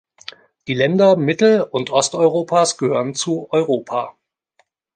Die Länder Mittel- und Osteuropas gehören zu Europa.